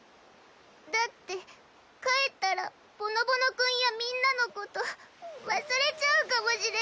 だって帰ったらぼのぼの君やみんなのこと忘れちゃうかもしれない。